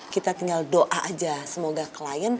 kita tinggal doa aja semoga klien